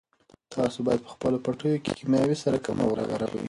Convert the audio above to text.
تاسو باید په خپلو پټیو کې کیمیاوي سره کمه وکاروئ.